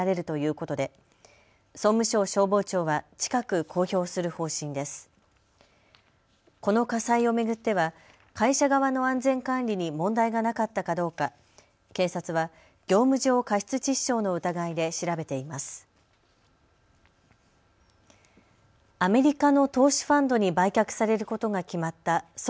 この火災を巡っては会社側の安全管理に問題がなかったかどうか警察は業務上過失致死傷の疑いで調べています。